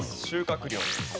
収穫量。